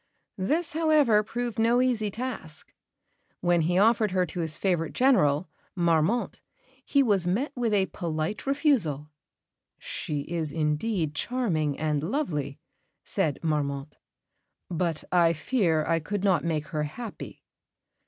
This, however, proved no easy task. When he offered her to his favourite General, Marmont, he was met with a polite refusal. "She is indeed charming and lovely," said Marmont; "but I fear I could not make her happy."